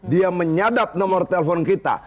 dia menyadap nomor telepon kita